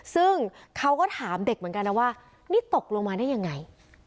ซึ่งเขาก็ถามเด็กเหมือนกันนะว่านี่ตกลงมาได้ยังไง